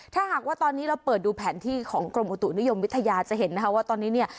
ถ้าหากว่าตอนนี้เราเปิดดูแผนที่ของกรมอุตุนิยมวิทยาจะเห็นนะคะว่าตอนนี้เนี่ย